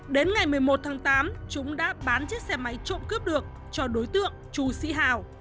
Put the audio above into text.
đến ngày một mươi một tháng tám chúng đã bán chiếc xe máy trộm cướp được cho đối tượng chu sĩ hào